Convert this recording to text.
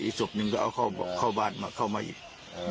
อีศพนึงก็เอาเข้าเข้าบ้านมาเข้ามาหยิบเออ